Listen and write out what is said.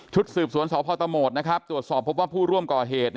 สืบสวนสพตโหมดตรวจสอบพบว่าผู้ร่วมก่อเหตุ